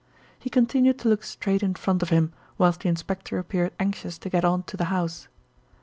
He continued to look straight in front of him, whilst the inspector appeared anxious to get on to the house.